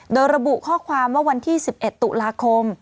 โดยระบุข้อความว่าวันที่๑๑ตุลาคม